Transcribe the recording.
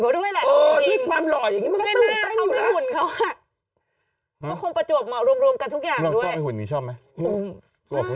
รับทราบไหมว่าด้วยหุ่นเขาด้วยแหละ